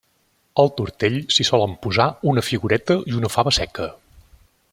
Al tortell s'hi solen posar una figureta i una fava seca.